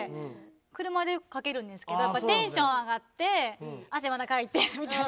車でよくかけるんですけどやっぱりテンション上がって汗またかいてみたいな。